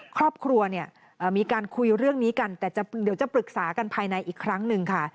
ครอบครัวเนี่ยมีการคุยเรื่องนี้กันแต่เดี๋ยวจะปรึกษากันภายในอีกครั้งหนึ่งค่ะ